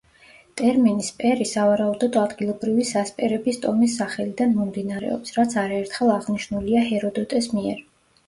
ტერმინი სპერი, სავარაუდოდ ადგილობრივი სასპერების ტომის სახელიდან მომდინარეობს, რაც არაერთხელ აღნიშნულია ჰეროდოტეს მიერ.